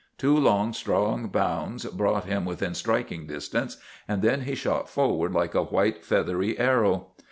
Two long, strong bounds brought him within striking distance and then he shot forward like a white, feathery arrow.